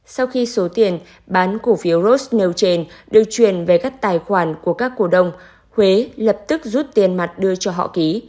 sau khi số tiền bán cổ phiếu ros nêu trên được truyền về các tài khoản của các cổ đồng huế lập tức rút tiền mặt đưa cho họ ký